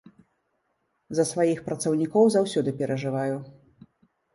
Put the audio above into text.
За сваіх працаўнікоў заўсёды перажываю.